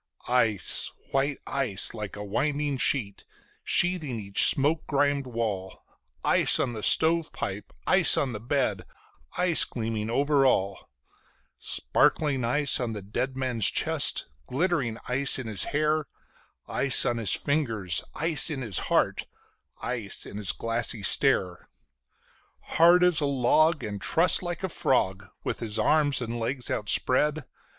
Ice, white ice, like a winding sheet, sheathing each smoke grimed wall; Ice on the stove pipe, ice on the bed, ice gleaming over all; Sparkling ice on the dead man's chest, glittering ice in his hair, Ice on his fingers, ice in his heart, ice in his glassy stare; Hard as a log and trussed like a frog, with his arms and legs outspread.